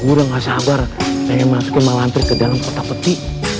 gua udah gak sabar pengen masukin malampir ke dalam kota peti